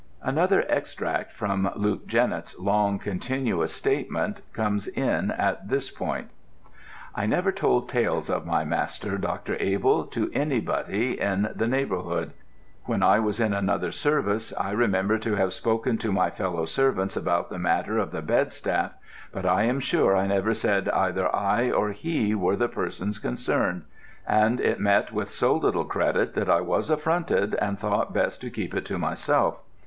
Another extract from Luke Jennett's long continuous statement comes in at this point. "I never told tales of my master, Dr. Abell, to anybody in the neighbourhood. When I was in another service I remember to have spoken to my fellow servants about the matter of the bedstaff, but I am sure I never said either I or he were the persons concerned, and it met with so little credit that I was affronted and thought best to keep it to myself.